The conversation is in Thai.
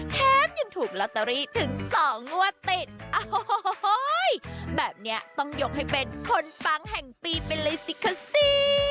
แถมยังถูกลอตเตอรี่ถึงสองงวดติดโอ้โหแบบนี้ต้องยกให้เป็นคนปังแห่งปีไปเลยสิคะสิ